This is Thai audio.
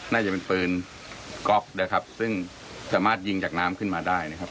น่าจะเป็นปืนก๊อกนะครับซึ่งสามารถยิงจากน้ำขึ้นมาได้นะครับ